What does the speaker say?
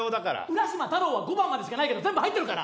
「浦島太郎」は５番までしかないけど全部入ってるから。